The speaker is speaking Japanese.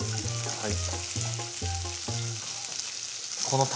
はい。